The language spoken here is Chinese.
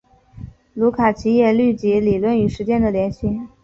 卢卡奇也虑及理论与实践的联系。